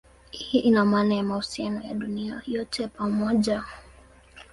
Hii ina maana ya mahusiano ya dunia yote pamoja.